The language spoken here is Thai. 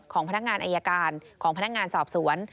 พนักงานอายการของพนักงานสอบสวน